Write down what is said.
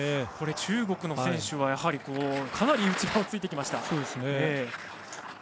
中国の選手はかなり内側をついてきました。